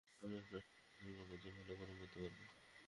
আমি আপনার ঠাণ্ডা চামড়া ওর চেয়ে ভালো গরম করতে পারব।